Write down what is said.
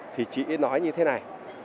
thì chỉ nói như thế này